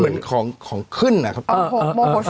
เหมือนของขึ้นอะครับมองเขาเส้น